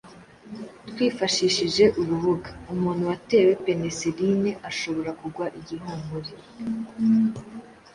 Twifashishije urubuga , umuntu watewe peneseline ashobora kugwa igihumure